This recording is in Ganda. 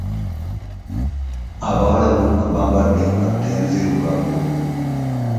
Abawala bonna bamabdde engatto nzirungavu.